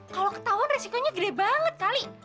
kalau ketahuan resikonya gede banget kali